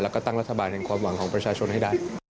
แล้วก็ตั้งรัฐบาลแห่งความหวังของประชาชนให้ได้